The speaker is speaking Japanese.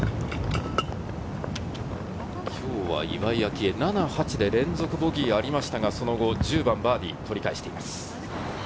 今日は岩井明愛、７、８で連続ボギーがありましたが、その後は１０番バーディーで取り返しています。